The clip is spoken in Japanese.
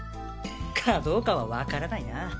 かどうかは分からないな。